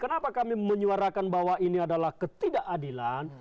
kenapa kami menyuarakan bahwa ini adalah ketidakadilan